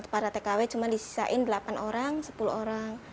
para tkw cuma disisain delapan orang sepuluh orang